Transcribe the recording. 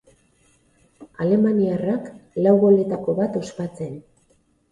Alemaniarrak, lau goletako bat ospatzen.